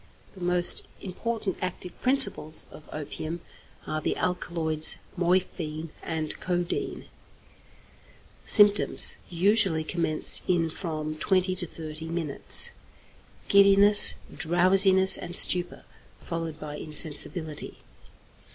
The most important active principles of opium are the alkaloids morphine and codeine. Symptoms usually commence in from twenty to thirty minutes: Giddiness, drowsiness and stupor, followed by insensibility.